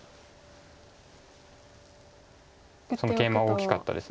そのケイマは大きかったです。